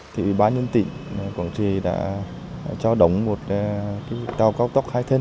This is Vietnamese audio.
thì bà nhân tỉnh quảng trị đã cho đóng một tàu cao tốc hai thân